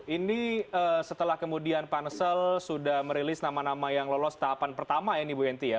ini setelah kemudian pansel sudah merilis nama nama yang lolos tahapan pertama ini bu enti ya